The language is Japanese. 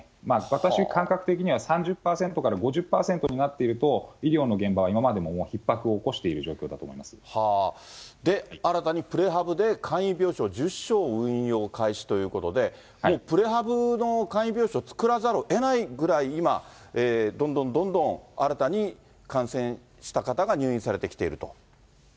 私、感覚的には、３０％から５０％になっていると、医療の現場は今までのようなひっ迫を起こしている状況だと思いまで、新たにプレハブで簡易病床１０床を運用開始ということで、もうプレハブの簡易病床を作らざるをえないぐらい、今、どんどんどんどん新たに感染した方が入院されてきていると。